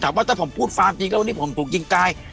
ว่าถ้าผมพูดฟาร์มจริงแล้ววันนี้ผมถูกยิงตาย